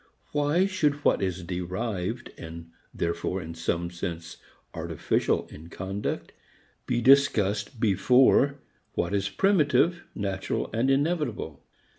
Why should what is derived and therefore in some sense artificial in conduct be discussed before what is primitive, natural and inevitable?